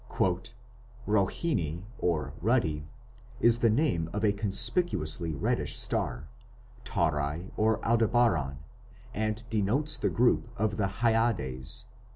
"Rohini, 'ruddy', is the name of a conspicuously reddish star, ɑ Tauri or Aldebaran, and denotes the group of the Hyades."